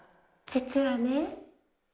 実はね。